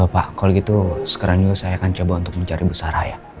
pak kalau gitu sekarang dulu saya akan mencari ibu sarah ya